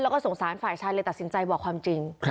แล้วก็สงสารฝ่ายชายเลยตัดสินใจบอกความจริง